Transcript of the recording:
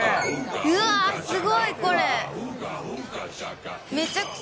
うわぁ、すごい、これ。